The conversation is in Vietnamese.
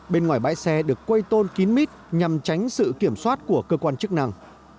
bên ngoài bãi xe được quây tôn kín mít nhằm tránh sự kiểm soát của cơ quan chức năng